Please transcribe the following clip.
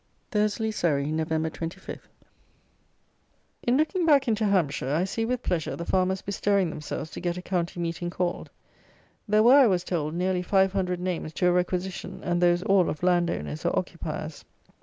Thursley (Surrey), Nov. 25. In looking back into Hampshire, I see with pleasure the farmers bestirring themselves to get a County Meeting called. There were, I was told, nearly five hundred names to a Requisition, and those all of land owners or occupiers.